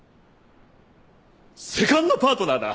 セカンドパートナーだ！